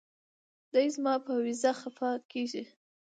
دے زما پۀ وېزه خفه کيږي